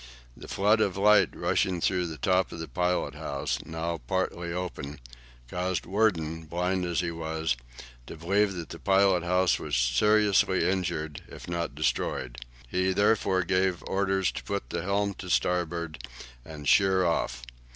The flood of light rushing through the top of the pilot house, now partly open, caused Worden, blind as he was, to believe that the pilot house was seriously injured if not destroyed; he, therefore, gave orders to put the helm to starboard, and 'sheer off.'